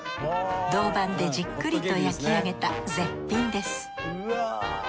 銅板でじっくりと焼き上げた絶品です